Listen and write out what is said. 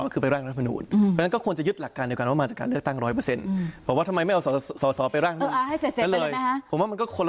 คือหลักการของสสลของสภาพกรุงแรงรัฐสนรคือเหมือนกัน